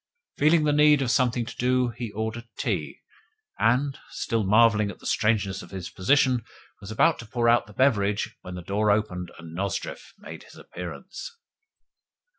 Feeling the need of something to do, he ordered tea, and, still marvelling at the strangeness of his position, was about to pour out the beverage when the door opened and Nozdrev made his appearance.